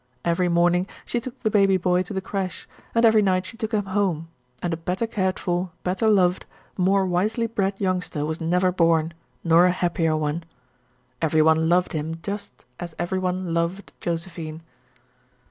Every morning she took the baby boy to the crêche and every night she took him home, and a better cared for, better loved, more wisely bred youngster was never born, nor a happier one. Every one loved him just as every one loved Josephine.